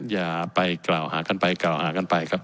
อย่าไปกล่าวหากันไปกล่าวหากันไปครับ